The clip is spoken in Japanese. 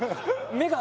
目が！